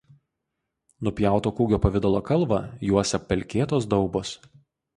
Nupjauto kūgio pavidalo kalvą juosia pelkėtos daubos.